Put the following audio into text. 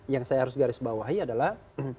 yang saya harus garis bawahi adalah